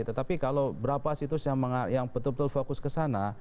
tetapi kalau berapa situs yang betul betul fokus ke sana